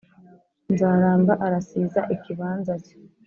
nzaramba arasiza ikibanza cye